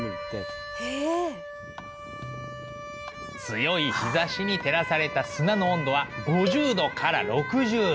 強い日ざしに照らされた砂の温度は５０度から６０度。